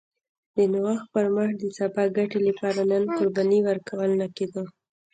د نوښت پر مټ د سبا ګټې لپاره نن قرباني ورکول نه کېده